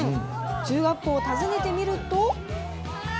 中学校を訪ねてみると。